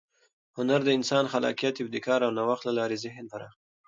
هنر د انساني خلاقیت، ابتکار او نوښت له لارې ذهن پراخوي.